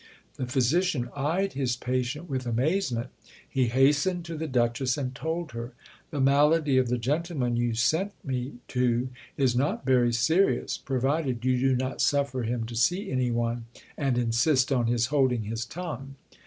The physician eyed his patient with amazement he hastened to the duchess, and told her, "The malady of the gentleman you sent me to is not very serious, provided you do not suffer him to see any one, and insist on his holding his tongue."